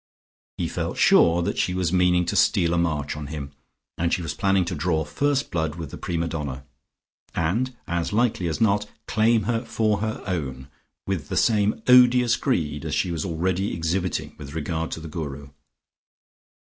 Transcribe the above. He felt sure that she was meaning to steal a march on him, and she was planning to draw first blood with the prima donna, and, as likely as not, claim her for her own, with the same odious greed as she was already exhibiting with regard to the Guru.